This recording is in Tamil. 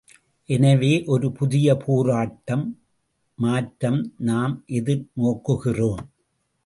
எனவே ஒரு புதிய போராட்டம் மாற்றம் நாம் எதிர் நோக்குகிறோம்.